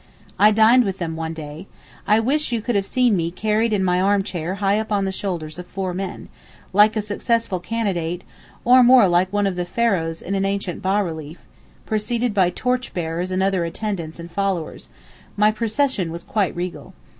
I dined with them one day; I wish you could have seen me carried in my armchair high up on the shoulders of four men, like a successful candidate, or more like one of the Pharaohs in an ancient bas relief, preceded by torch bearers and other attendants and followers, my procession was quite regal.